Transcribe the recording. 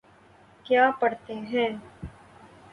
کیا پڑھتے ہیں